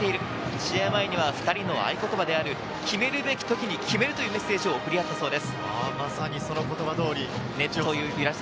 試合前には２人の合言葉である、決めるべき時に決めるというメッセージをかわしたそうです。